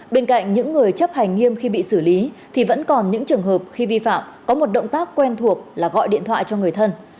bên cạnh những người chấp hành nghiêm khi bị xử lý thì vẫn còn những trường hợp khi vi phạm có một động tác quen thuộc là gọi điện thoại cho người thân